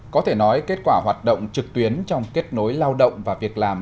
có thể nói kết quả hoạt động trực tuyến trong kết nối lao động và việc làm